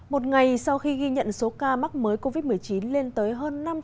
một ngày sau khi ghi nhận số ca mắc mới covid một mươi chín lên tới hơn năm trăm linh